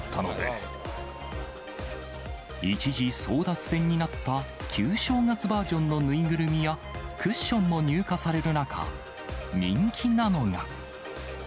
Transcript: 一時、争奪戦になった旧正月バージョンの縫いぐるみやクッションも入荷される中、人気なのが。